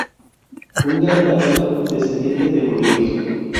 Húngaro católico descendiente de judíos.